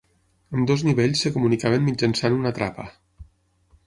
Ambdós nivells es comunicaven mitjançant una trapa.